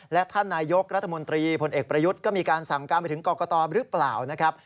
และท่านนายกรัฐมนตรีพลเอกประยุทธ์ก็มีการสั่งการไปถึงกรกตหรือเปล่านะครับ